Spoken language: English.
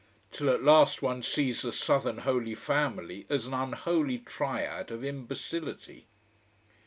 Till at last one sees the southern Holy Family as an unholy triad of imbecility.